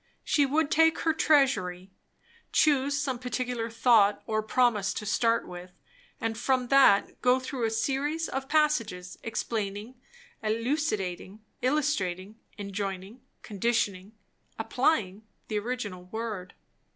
She would take her "Treasury," choose some particular thought or promise to start with, and from that go through a series of passages, explaining, elucidating, illustrating, enjoining, conditioning, applying, the original word.